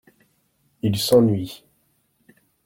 Il s'ennuie.